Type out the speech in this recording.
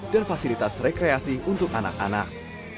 dan fasilitas rekreasi untuk anak anak